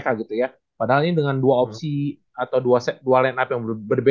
kan gue berdua sama cewek gue